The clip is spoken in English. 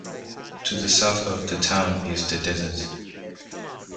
To the south of the town is the desert.